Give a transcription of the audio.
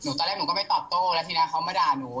ตอนแรกหนูก็ไม่ตอบโต้แล้วทีนั้นเขามาด่าหนู